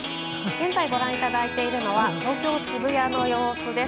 現在、ご覧いただいているのは、東京・渋谷の様子です。